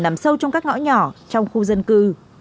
nằm sâu trong các ngõ nhỏ trong khu dân cư